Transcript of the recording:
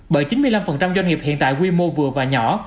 bởi chín mươi năm doanh nghiệp hiện tại quy mô vừa và nhỏ